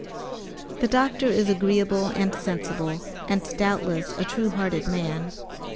The doctor is agreeable and sensible, and doubtless a true hearted man.